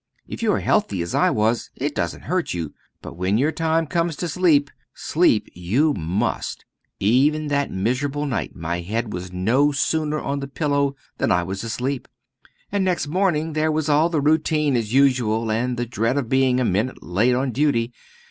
If you are healthy as I was, it doesn't hurt you; but, when your time comes to sleep, sleep you must. Even that miserable night my head was no sooner on the pillow than I was asleep; and next morning there was all the routine as usual, and the dread of being a minute late on duty.